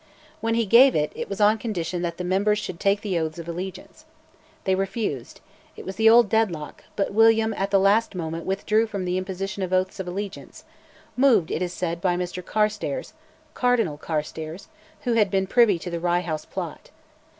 When he gave it, it was on condition that the members should take the oaths of allegiance. They refused: it was the old deadlock, but William at the last moment withdrew from the imposition of oaths of allegiance moved, it is said, by Mr Carstares, "Cardinal Carstares," who had been privy to the Rye House Plot.